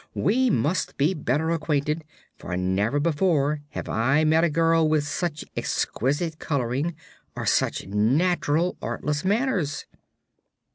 We must be better acquainted, for never before have I met a girl with such exquisite coloring or such natural, artless manners."